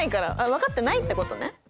分かってないってことね。